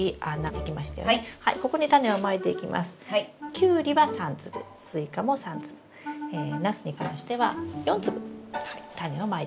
キュウリは３粒スイカも３粒ナスに関しては４粒タネをまいてください。